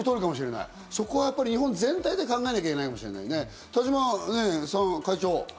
日本全体でそこは考えなきゃいけないかもしれないね。